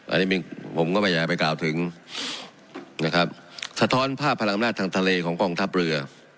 อันนี้ผมก็ไม่อยากไปกล่าวถึงนะครับสะท้อนภาพพลังอำนาจทางทะเลของกองทัพเรือ